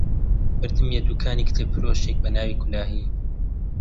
بردمیە دووکانی کتێبفرۆشێک بە ناوی کولاهی